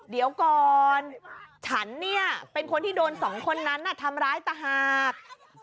เดี๋ยวก่อนฉันเนี่ยเป็นคนที่โดนสองคนนั้นทำร้ายต่างหาก